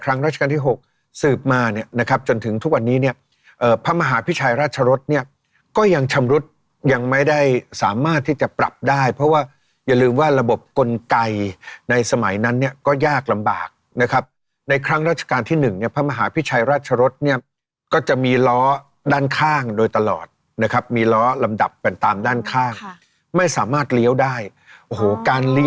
ราชการที่๖สืบมาเนี่ยนะครับจนถึงทุกวันนี้เนี่ยพระมหาพิชัยราชรสเนี่ยก็ยังชำรุดยังไม่ได้สามารถที่จะปรับได้เพราะว่าอย่าลืมว่าระบบกลไกในสมัยนั้นเนี่ยก็ยากลำบากนะครับในครั้งราชการที่หนึ่งเนี่ยพระมหาพิชัยราชรสเนี่ยก็จะมีล้อด้านข้างโดยตลอดนะครับมีล้อลำดับกันตามด้านข้างไม่สามารถเลี้ยวได้โอ้โหการเล